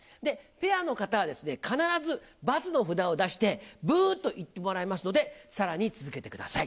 ペアの方はですね、必ず×の札を出して、ぶーっと言ってもらいますので、さらに続けてください。